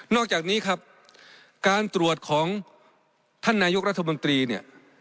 อกจากนี้ครับการตรวจของท่านนายกรัฐมนตรีเนี่ย